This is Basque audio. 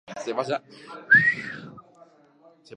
Antolatzaileek jakinarazi dutenez, sarrerak agortu egin dira.